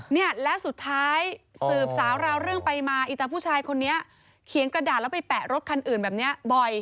เนี่ยแล้วสุดท้ายสืบสาวราวเรื่องไปมาอีตาผู้ชายคนนี้เขียนกระดาษแล้วไปแปะรถคันอื่นแบบนี้บ่อย